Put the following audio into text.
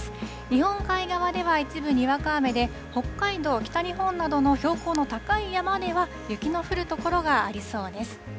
日本海側では一部にわか雨で、北海道、北日本などの標高の高い山では雪の降る所がありそうです。